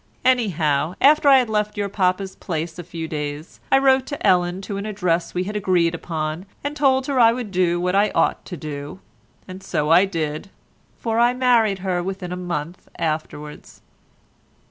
Anyhow, after I had left your papa's place a few days I wrote to Ellen to an address we had agreed upon, and told her I would do what I ought to do, and so I did, for I married her within a month afterwards.